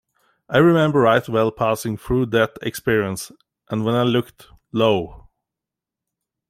I remember right well passing through that experience; and when I looked, lo!